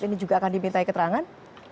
ini juga akan dimintai keterangan